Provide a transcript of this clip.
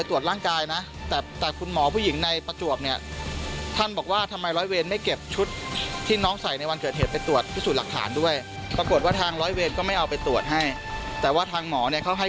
ไว้ปรากฏว่าทางร้อยเวศก็ไม่เอาไปตรวจให้แต่ว่าทางหมอนี่เขาให้